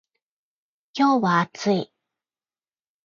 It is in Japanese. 今日は暑い。